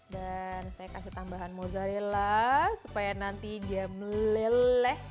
dan saya kasih tambahan mozzarella supaya nanti dia meleleh